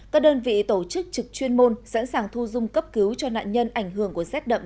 các đơn vị tổ chức trực chuyên môn sẵn sàng thu dung cấp cứu cho nạn nhân ảnh hưởng của rét đậm